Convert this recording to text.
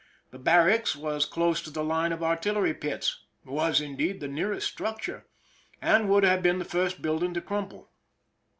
The barracks was close to the line of artillery pits— was, indeed, the nearest structure, and would have been the first building to crumble.